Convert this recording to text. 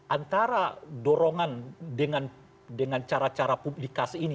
antara dorongan dengan cara cara publikasi ini